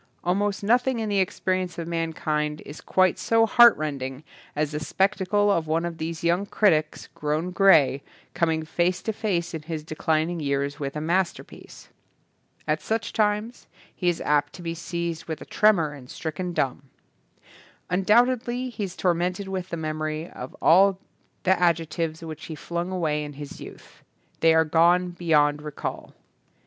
Almost nothing in the ex perience of mankind is quite so heart rending as the spectacle of one of these young critics, grown grey, com ing face to face in his declining years with a masterpiece. At such times he is apt to be seized with a tremor and stricken dumb. Undoubtedly he is tor mented with the memory of all the ad jectives which he flung away in his youth. They are gone beyond recall.